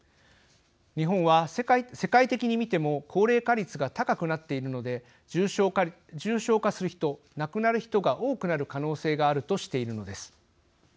日本は世界的に見ても高齢化率が高くなっているので重症化する人、亡くなる人が多くなる可能性があるとしているのです。